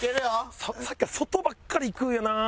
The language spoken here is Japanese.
さっきから外ばっかりいくんやな。